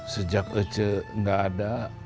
sejak ece gak ada